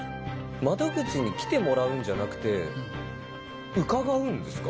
窓口に来てもらうんじゃなくて伺うんですか